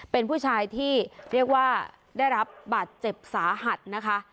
เป็นผู้ชายที่เรียกว่าได้รับบาดเจ็บสาหัสนะคะ